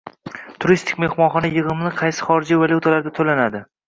Turistik mehmonxona yig’imni qaysi xorijiy valyutalarda to’lanadi?